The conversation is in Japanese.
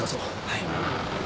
はい。